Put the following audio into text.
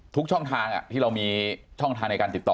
ทุกช่องทางที่เรามีช่องทางในการติดต่อ